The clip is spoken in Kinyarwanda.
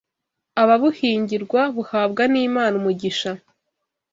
ababuhingirwa buhabwa n’Imana umugisha.